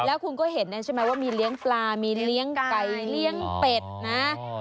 แล้วคุณก็เห็นนะใช่ไหมว่ามีเลี้ยงปลามีเลี้ยงไก่เลี้ยงเป็ดนะ